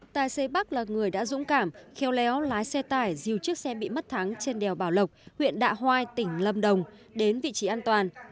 tài xế bắc là người đã dũng cảm khéo léo lái xe tải dìu chiếc xe bị mất thắng trên đèo bảo lộc huyện đạ hoai tỉnh lâm đồng đến vị trí an toàn